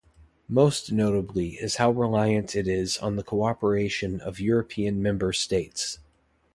Most notably is how reliant it is on the cooperation of European Member States.